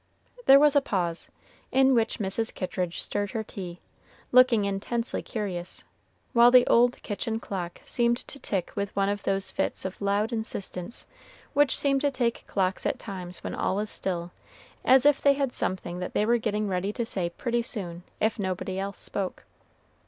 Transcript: There was a pause, in which Mrs. Kittridge stirred her tea, looking intensely curious, while the old kitchen clock seemed to tick with one of those fits of loud insistence which seem to take clocks at times when all is still, as if they had something that they were getting ready to say pretty soon, if nobody else spoke.